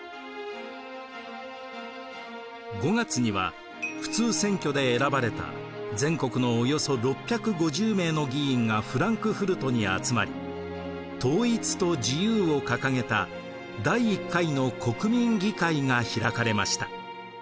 ５月には普通選挙で選ばれた全国のおよそ６５０名の議員がフランクフルトに集まり統一と自由を掲げた第１回の国民議会が開かれました。